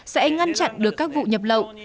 sẽ ngăn chặn được các vụ nhập lậu